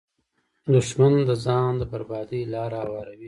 دښمن د ځان د بربادۍ لاره هواروي